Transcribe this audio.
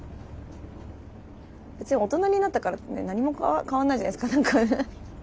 別に大人になったからってね何も変わんないじゃないですか。